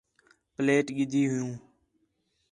پلیٹ گِدی ہِیو